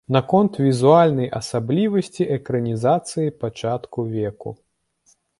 Наконт візуальнай асаблівасці экранізацыі пачатку веку.